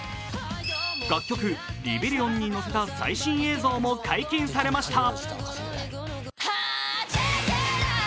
楽曲「リベリオン」にのせた最新映像も解禁されました。